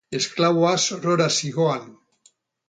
Esklaboa sorora zihoan.